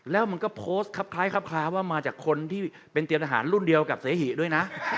แล้วมันก็โพสต์ครับคล้ายครับคล้าว่ามาจากคนที่เป็นเตรียมทหารรุ่นเดียวกับเสหิด้วยนะ